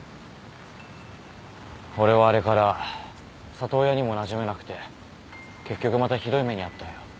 俺はあれから里親にもなじめなくて結局またひどい目に遭ったよ